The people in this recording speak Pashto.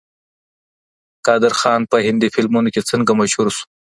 قادر خان په هندي فلمونو کي څنګه مشهور سو؟